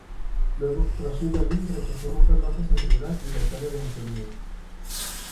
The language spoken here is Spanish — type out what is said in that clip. Luego, Rashid Ali rechazó romper lazos entre Irak y la Italia de Mussolini.